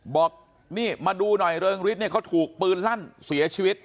บอกนี่มาดูหน่อยเริงฤทธิเนี่ยเขาถูกปืนลั่นเสียชีวิต